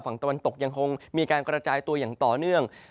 ฝั่งตะวันตกยังคงมีการกระจายตัวอย่างต่อเนื่อง